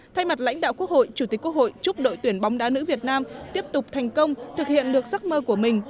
thay mặt lãnh đạo quốc hội chủ tịch quốc hội chúc đội tuyển bóng đá nữ việt nam tiếp tục thành công thực hiện được giấc mơ của mình